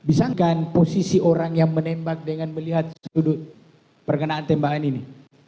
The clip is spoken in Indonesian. bisangkan posisi orang yang menembak dengan melihat sudut perkenaan tembakan ini